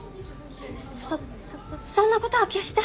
そそんなことは決して。